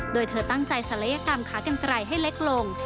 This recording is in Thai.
โดยเธอตั้งใจศัลยกรรมขากันไกลให้เล็กลง